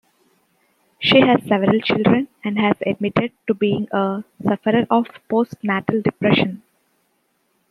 She has several children and has admitted to being a sufferer of post-natal depression.